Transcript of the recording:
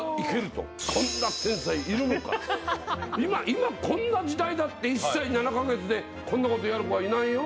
今こんな時代だって１歳７カ月でこんなことやる子はいないよ。